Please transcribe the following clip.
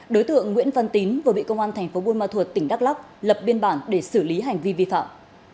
đối tượng nguyễn văn tín vừa bị công an thành phố buôn ma thuột tỉnh đắk lắk lập biên bản để xử lý hành vi vi phạm